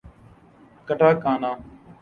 katakana